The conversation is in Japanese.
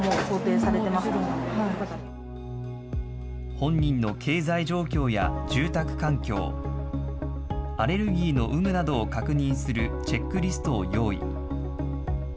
本人の経済状況や住宅環境、アレルギーの有無などを確認するチェックリストを用意。